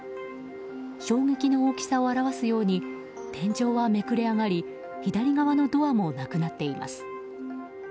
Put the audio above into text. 衝撃の大きさを表すように天井はめくれ上がり左側のドアもなくなっています。